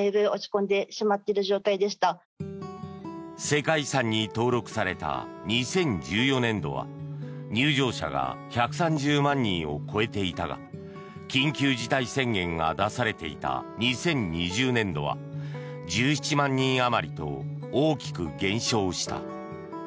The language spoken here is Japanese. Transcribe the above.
世界遺産に登録された２０１４年度は入場者が１３０万人を超えていたが緊急事態宣言が出されていた２０２０年度は１７万人あまりと大きく減少した。